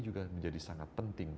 juga menjadi sangat penting